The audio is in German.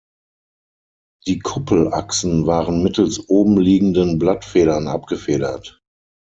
Die Kuppelachsen waren mittels obenliegenden Blattfedern abgefedert.